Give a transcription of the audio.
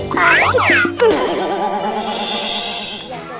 satu tiga tiga